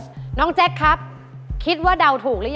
อุปกรณ์ทำสวนชนิดใดราคาถูกที่สุด